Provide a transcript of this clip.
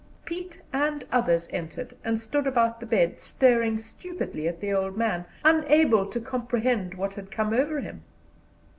Pete and others entered, and stood about the bed, staring stupidly at the old man, unable to comprehend what had come over him.